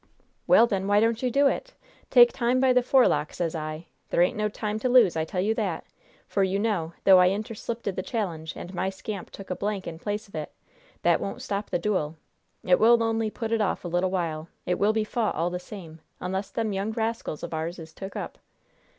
"Well, then why don't you do it? Take time by the forelock, sez I. There ain't no time to lose, I tell you that! For, you know, though I interslipted the challenge, and my scamp took a blank in place of it, that won't stop the duel; it will only put it off a little while; it will be fought, all the same, unless them young rascals of ours is took up!"